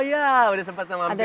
oh ya udah sempat kemampiran sana ya